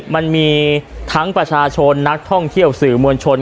มันมีทั้งประชาชนนักท่องเที่ยวสื่อมวลชน